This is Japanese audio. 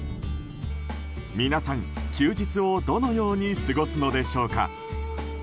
皆さん、休日をどのように過ごすのでしょうか。